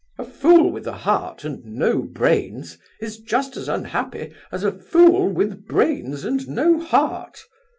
A fool with a heart and no brains is just as unhappy as a fool with brains and no heart.